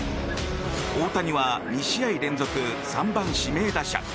大谷は２試合連続３番指名打者。